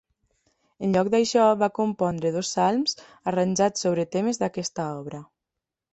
En lloc d'això, va compondre dos psalms arranjats sobre temes d'aquesta obra.